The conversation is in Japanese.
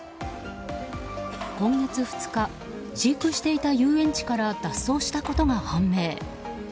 今月２日飼育していた遊園地から脱走したことが判明。